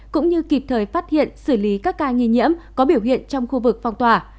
cũng như kịp thời phát hiện xử lý các ca nghi nhiễm có biểu hiện trong khu vực phong tỏa